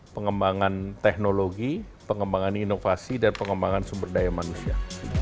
pengembangan teknologi pengembangan inovasi dan pengembangan sumber daya manusia